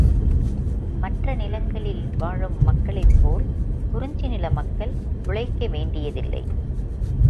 மற்ற நிலங்களில் வாழும் மக்களைப்போல் குறிஞ்சி நில மக்கள் உழைக்க வேண்டியதில்லை.